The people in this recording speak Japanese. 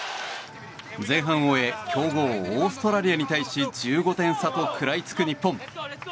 前半を終え強豪オーストラリアに対し１５点差と食らいつく日本。